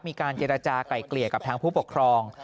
มีการเจรจากลายเกลี่ยกับทางผู้ปกครอง